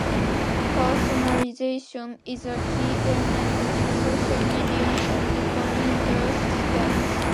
Personalization is a key element in social media and recommender systems.